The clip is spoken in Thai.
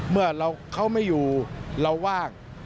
เมื่อเขาไม่อยู่เราว่าง